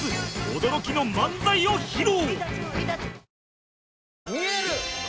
驚きの漫才を披露！